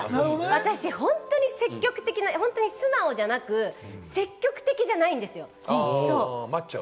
私は本当に素直じゃなく、積極的じゃないんです。